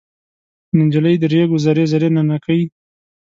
نجلۍ د ریګو زر زري ننکۍ